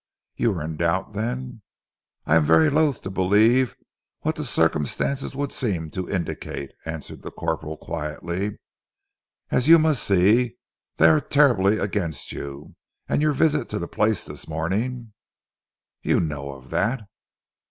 "You are in doubt, then?" "I am very loath to believe what the circumstances would seem to indicate," answered the corporal quietly. "As you must see, they are terribly against you, and your visit to the place this morning " "You know of that?"